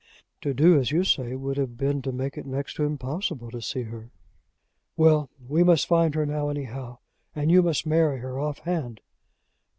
To do as you say would have been to make it next to impossible to see her." "Well, we must find her now anyhow; and you must marry her off hand."